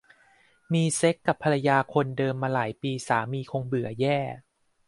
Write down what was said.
มีเซ็กส์กับภรรยาคนเดิมมาหลายปีสามีคงเบื่อแย่